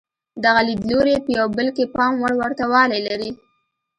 دغه لیدلوري په یو بل کې پام وړ ورته والی لري.